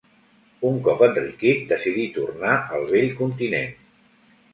Un cop enriquit decidí tornar al Vell Continent.